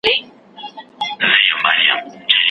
د اختر دي مبارک سه اخترونه بېګانه دي